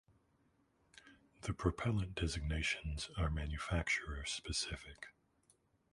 The propellant designations are manufacturer specific.